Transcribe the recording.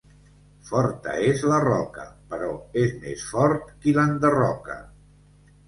Forta és la roca, però és més fort qui l'enderroca.